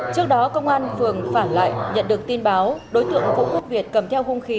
trước đó công an phường phản lại nhận được tin báo đối tượng vũ quốc việt cầm theo hung khí